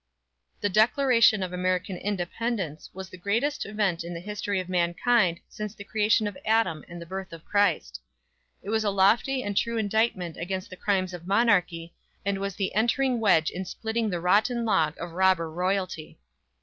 The DECLARATION OF AMERICAN INDEPENDENCE was the greatest event in the history of mankind since the creation of Adam and the birth of Christ. It was a lofty and true indictment against the crimes of monarchy, and was the entering wedge in splitting the rotten log of robber royalty.